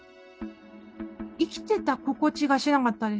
生きてた心地がしなかったです。